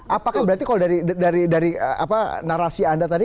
apakah berarti kalau dari narasi anda tadi